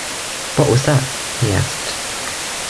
“What was that?” he asked.